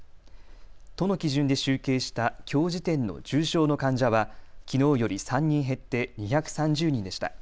都の基準で集計したきょう時点の重症の患者はきのうより３人減って２３０人でした。